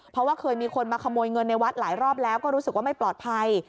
เพราะว่าเคยมีคนมาขโมยเงินในวัดหลายรอบแล้วก็รู้สึกว่าไม่ปลอดภัย